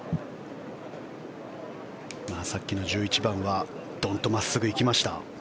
さっきの１１番はドンと真っすぐ行きました。